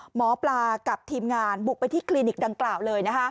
หมอปลากับทีมงานบุกไปที่คลินิกดังกล่าวเลย